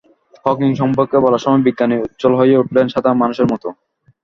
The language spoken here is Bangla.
হকিং সম্পর্কে বলার সময় বিজ্ঞানী উচ্ছল হয়ে উঠলেন সাধারণ মানুষের মতো।